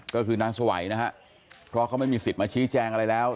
ก็คือนางสวัยนะฮะเพราะเขาไม่มีสิทธิ์มาชี้แจงอะไรแล้ว